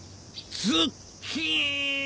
ズッキーン。